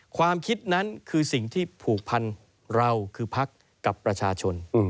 ความคิดนั้นคือสิ่งที่ผูกพันเราคือพักกับประชาชน